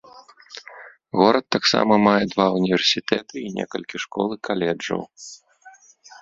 Горад таксама мае два ўніверсітэты і некалькі школ і каледжаў.